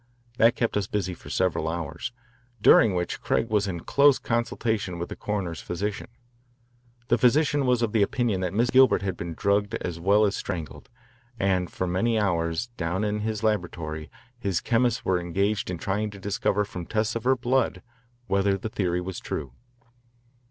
That kept us busy for several hours, during which Craig was in close consultation with the coroner's physician. The physician was of the opinion that Miss Gilbert had been drugged as well as strangled, and for many hours, down in his laboratory, his chemists were engaged in trying to discover from tests of her blood whether the theory was true.